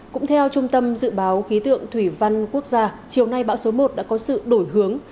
cũng theo trung tâm dự báo khí tượng thủy văn quốc gia chiều nay bão số một đã có sự đổi hướng